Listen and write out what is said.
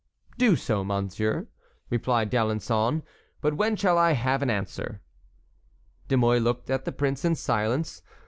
"Do so, monsieur," replied d'Alençon. "But when shall I have an answer?" De Mouy looked at the prince in silence.